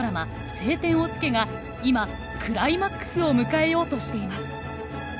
「青天を衝け」が今クライマックスを迎えようとしています。